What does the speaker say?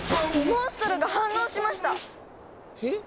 モンストロが反応しました！へ？